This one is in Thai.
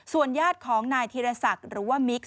ส่วนญาติของนายธิรษักร์หรือว่ามิ๊กซ์